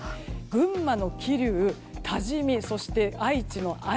群馬の桐生、多治見そして愛知の愛